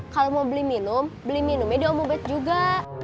kalau mau beli minum beli minumnya di om ubet juga